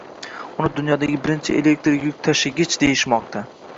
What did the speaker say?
Uni dunyodagi birinchi elektr yuktashigich deyishmoqda.